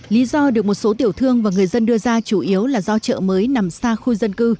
lý do được một số tiểu thương và người dân đưa ra chủ yếu là do chợ mới nằm xa khu dân cư